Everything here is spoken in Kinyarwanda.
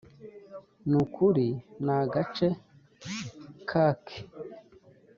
nukuri ni agace kake.